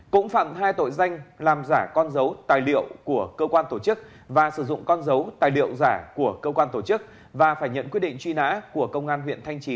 cũng phạm hai tội danh làm giả con dấu tài liệu của cơ quan tổ chức và sử dụng con dấu tài liệu giả của cơ quan tổ chức và phải nhận quyết định truy nã của công an huyện thanh trì